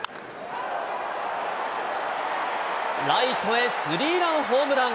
ライトへスリーランホームラン。